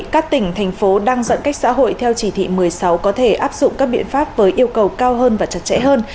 các tỉnh thành phố đang giãn cách xã hội theo chỉ thị một mươi sáu có thể áp dụng các biện pháp với yêu cầu cao hơn và chặt chẽ hơn